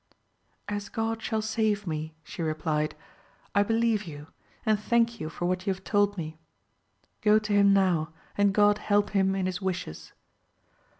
As God shall save me, she replied, I believe you, and thank you for what you have told me ; go to him now, and God help him in his wishes